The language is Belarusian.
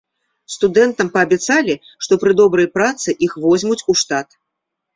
Студэнтам паабяцалі, што пры добрай працы іх возьмуць у штат.